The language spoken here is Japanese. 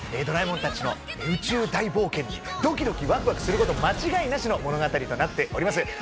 ドラえもんたちの宇宙大冒険にドキドキワクワクする事間違いなしの物語となっております。